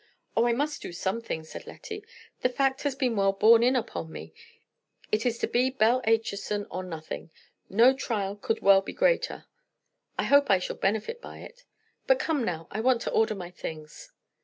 "Oh, I must do something," said Lettie; "that fact has been well borne in upon me—it is to be Belle Acheson or nothing. No trial could well be greater. I hope I shall benefit by it. But come now; I want to order my things."